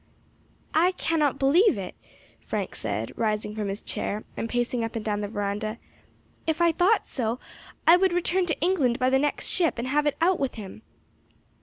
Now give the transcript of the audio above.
"I cannot believe it," Frank said, rising from his chair and pacing up and down the verandah; "if I thought so I would return to England by the next ship and have it out with him."